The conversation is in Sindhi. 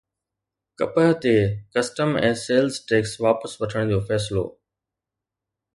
ڪپهه تي ڪسٽم ۽ سيلز ٽيڪس واپس وٺڻ جو فيصلو